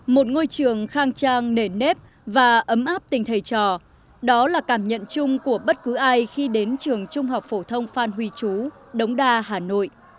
một ngôi trường khang trang nền nếp và ấm áp tình thầy trò đó là cảm nhận chung của bất cứ ai khi đến trường trung học phổ thông phan huy chú đống đa hà nội